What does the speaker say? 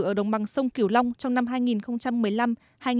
ở đồng bằng sông kiều long trong năm hai nghìn một mươi năm hai nghìn một mươi sáu